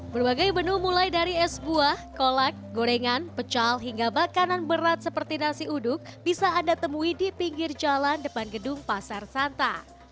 berbagai menu mulai dari es buah kolak gorengan pecal hingga makanan berat seperti nasi uduk bisa anda temui di pinggir jalan depan gedung pasar santa